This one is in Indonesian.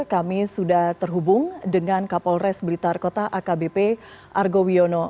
kami sudah terhubung dengan kapolres blitar kota akbp argo wiono